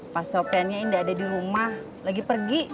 pak sopiannya ini gak ada di rumah lagi pergi